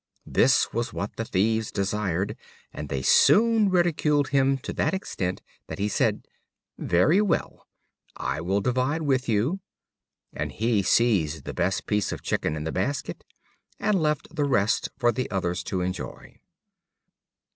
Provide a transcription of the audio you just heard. This was what the thieves desired, and they soon ridiculed him to that extent that he said: "Very well, I will divide with you," and he seized the best piece of chicken in the basket, and left the rest for the others to enjoy.